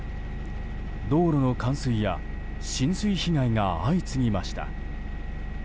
道路の冠水や浸水被害が相次ぎました。